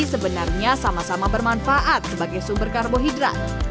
sebenarnya sama sama bermanfaat sebagai sumber karbohidrat